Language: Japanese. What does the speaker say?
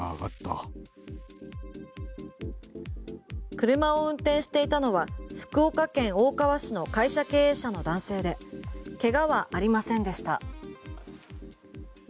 車を運転していたのは福岡県大川市の会社経営者の男性でけがはありませんでした。